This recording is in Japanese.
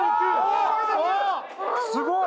すごい！